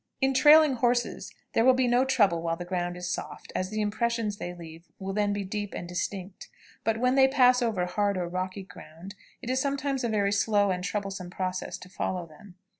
In trailing horses, there will be no trouble while the ground is soft, as the impressions they leave will then be deep and distinct; but when they pass over hard or rocky ground, it is sometimes a very slow and troublesome process to follow them.